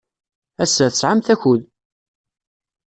Ass-a, tesɛamt akud?